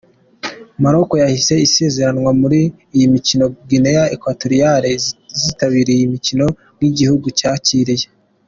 Maroc yahise isezererwa muri iyi mikino, Guinea Equatorial izitabira iyi mikino nk’igihugu cyakiriye.